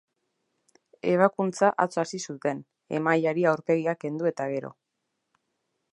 Ebakuntza atzo hasi zuten, emaileari aurpegia kendu eta gero.